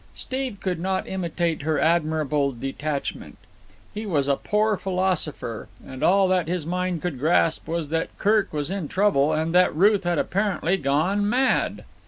Steve could not imitate her admirable detachment. He was a poor philosopher, and all that his mind could grasp was that Kirk was in trouble and that Ruth had apparently gone mad.